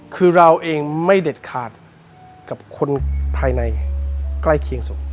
คือเราเองไม่เด็ดขาดกับคนภายในใกล้เคียงสุด